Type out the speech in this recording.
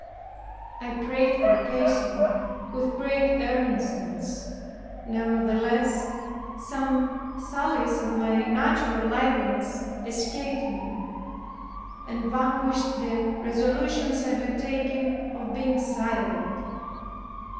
I prayed for patience with great earnestness; nevertheless, some sallies of my natural liveliness escaped me, and vanquished the resolutions I had taken of being silent.